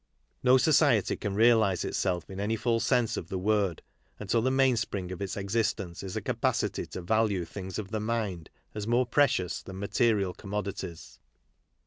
No society can realize itself in any full sense of the word until the mainspring of its existence is a capacity to value things of the mind as more precious than material com modities.